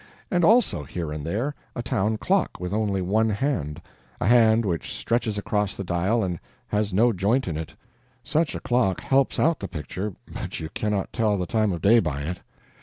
And also here and there a town clock with only one hand a hand which stretches across the dial and has no joint in it; such a clock helps out the picture, but you cannot tell the time of day by it.